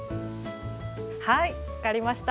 はい分かりました。